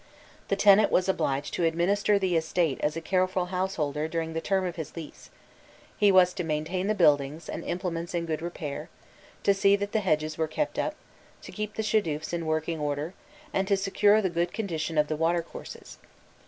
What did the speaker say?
The tenant was obliged to administer the estate as a careful householder during the term of his lease: he was to maintain the buildings and implements in good repair, to see that the hedges were kept up, to keep the shadufs in working order, and to secure the good condition of the watercourses.